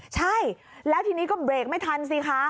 ใช่แล้วทีนี้ก็เบรกไม่ทันสิคะ